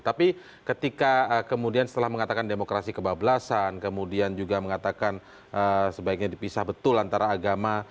tapi ketika kemudian setelah mengatakan demokrasi kebablasan kemudian juga mengatakan sebaiknya dipisah betul antara agama